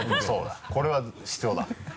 これは必要だ